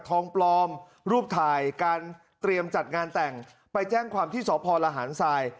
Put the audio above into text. ทองปลอมรูปถ่ายการเตรียมจัดงานแต่งไปแจ้งความที่สพลหารทราย